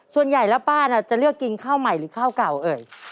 ส่วนใหญ่แล้วป้าน่ะจะเลือกกินข้าวใหม่หรือข้าวเก่าเอ่ย